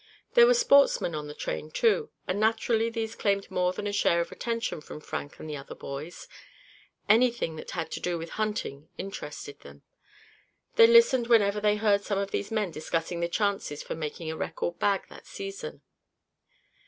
There were sportsmen on the train, too, and naturally these claimed more than a share of attention from Frank and the other boys. Anything that had to do with hunting interested them. They listened whenever they heard some of these men discussing the chances for making a record bag that season.